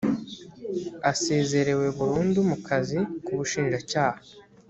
asezerewe burundu mu kazi k ubushinjacyaha